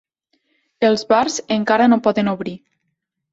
Els bars encara no poden obrir.